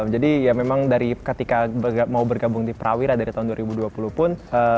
jadi ya memang dari ketika mau bergabung di prawira dari tahun dua ribu dua puluh pun